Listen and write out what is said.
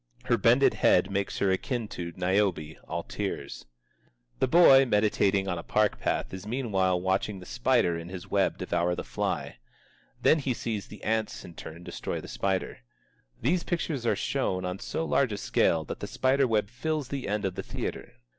Her bended head makes her akin to "Niobe, all tears." The boy meditating on a park path is meanwhile watching the spider in his web devour the fly. Then he sees the ants in turn destroy the spider. These pictures are shown on so large a scale that the spiderweb fills the end of the theatre.